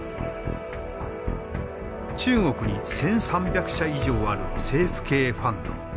中国に１，３００社以上ある政府系ファンド。